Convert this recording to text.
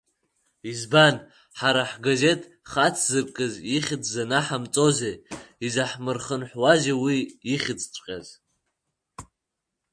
Избан, ҳара ҳгазеҭ хацзыркыз ихьӡ занаҳамҵозеи изаҳмырхынҳәуазеи уи иахьӡҵәҟьаз?